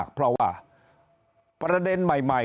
ครับขอบพระคุณครับเลขาธิการกรกตจะต้องปวดหัวมาก